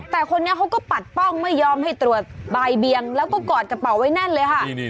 แต่คนนี้เขาก็ปัดป้องไม่ยอมให้ตรวจบายเบียงแล้วก็กอดกระเป๋าไว้แน่นเลยค่ะ